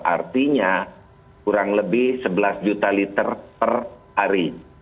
artinya kurang lebih sebelas juta liter per hari